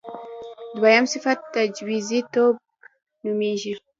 دویم صفت تجویزی توب نومېږي.